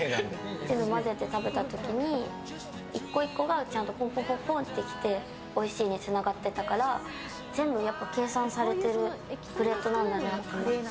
全部混ぜて食べた時に１個１個がぽんぽんぽんってきておいしいにつながってたから全部計算されてるプレートなんだなと思って。